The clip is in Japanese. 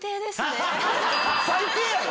最低やろ？